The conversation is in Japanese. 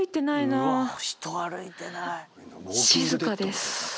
静かです